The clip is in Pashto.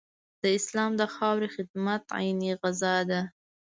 د اسلام د خاورې خدمت عین غزا ده.